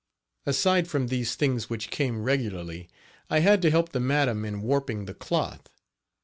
Aside from these things which came regularly, I had to help the madam in warping the cloth.